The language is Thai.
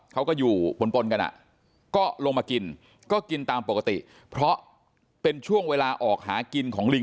เขาก็อยู่ปนกันอ่ะก็ลงมากินก็กินตามปกติ